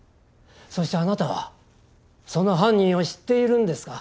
そしてあなたはその犯人を知っているんですか？